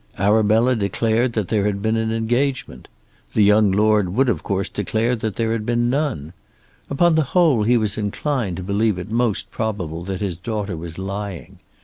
Arabella declared that there had been an engagement. The young lord would of course declare that there had been none. Upon the whole he was inclined to believe it most probable that his daughter was lying.